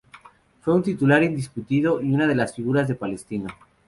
Fue un titular indiscutido y unas de las figuras de Palestino.